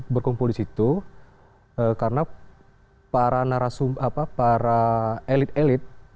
berkumpul di situ karena para narasum apa para elit elit